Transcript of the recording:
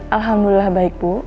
alhamdulillah baik bu